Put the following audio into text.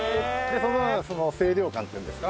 でその清涼感っていうんですか？